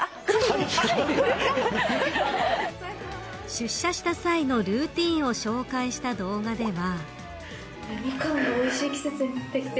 出社した際のルーティンを紹介した動画では。